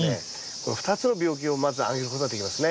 この２つの病気をまず挙げることができますね。